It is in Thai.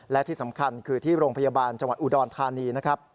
และที่สำคัญคือที่โรงพยาบาลจังหวัดอุดรธานีนะครับ